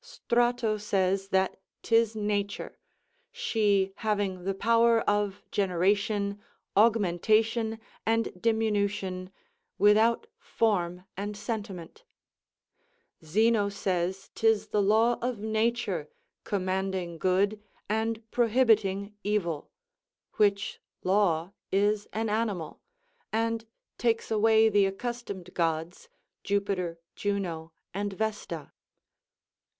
Strato says that 'tis nature, she having the power of generation, augmentation, and diminution, without form and sentiment Zeno says 'tis the law of nature, commanding good and prohibiting evil; which law is an animal; and takes away the accustomed gods, Jupiter, Juno, and Vesta.